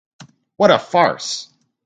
What a farce!